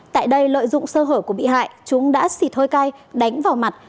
tại đây lợi dụng sơ hở của bị hại chúng đã xịt hơi cay đánh vào mặt